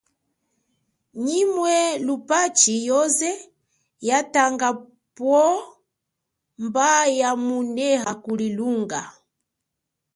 Nyi mwe lupachi yoze yatanga pwo, mba yamuneha kuli lunga.